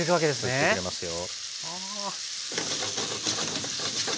吸ってくれますよ。